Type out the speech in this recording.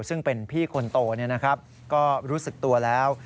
ซึ่งเป็นพี่คนโตก็รู้สึกตัวแล้ว